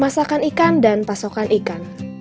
masakan ikan dan pasokan ikan